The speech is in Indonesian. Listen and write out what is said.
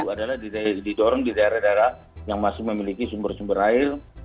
adalah didorong di daerah daerah yang masih memiliki sumber sumber air